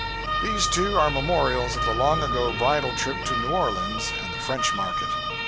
These two are memorials of the long ago bridal trip to New Orleans and the French Market.